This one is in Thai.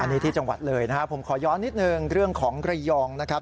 นี่ที่จังหวัดเลยนะครับผมขอย้อนนิดนึงเรื่องของระยองนะครับ